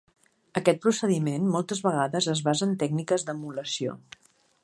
Aquest procediment moltes vegades es basa en tècniques d'emulació.